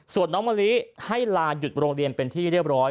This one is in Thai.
ส่วนน้องมะลิให้ลาหยุดโรงเรียนเป็นที่เรียบร้อย